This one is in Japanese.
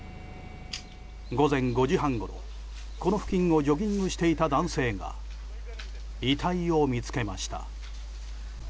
午前５時半ごろこの付近をジョギングしていた男性が遺体を見つけました。